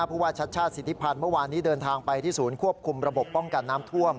ผู้ว่าชัดชาติสิทธิพันธ์เมื่อวานนี้เดินทางไปที่ศูนย์ควบคุมระบบป้องกันน้ำท่วม